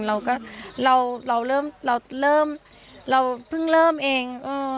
เราก็เราเริ่มเราเริ่มเราเพิ่งเริ่มเอง